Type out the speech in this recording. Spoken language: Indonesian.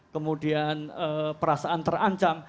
kemudian perasaan terancam